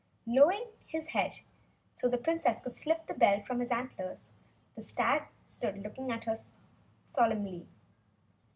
Lowering his head so the Princess could slip the bell from his antlers, the stag stood looking at her solemnly.